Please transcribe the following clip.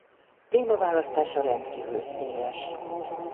Témaválasztása rendkívül széles.